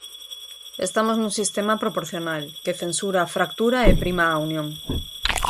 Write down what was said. Estamos nun sistema proporcional, que censura a fractura e prima a unión.